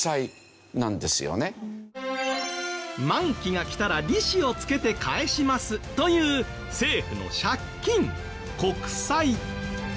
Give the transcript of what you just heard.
「満期が来たら利子を付けて返します」という政府の借金国債。